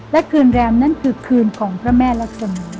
และคืนแรมนั่นคือคืนของพระแม่รักษมี